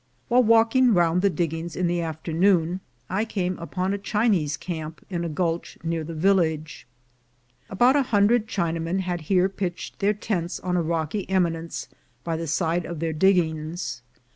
While walking round the diggings in the afternoon, I came upon a Chinese camp in a gulch near the village. About a hundred Chinamen had here pitched their tents on a rocky eminence by the side of their diggings.